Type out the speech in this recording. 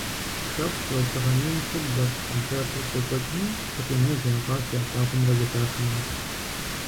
Шэху уэздыгъэ мин щыблэрт концертыр щекӀуэкӀми, гукъинэж ящӀащ ялъагъумрэ зэхахымрэ.